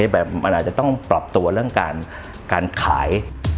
มันอาจจะต้องปรับตัวเรื่องการขาย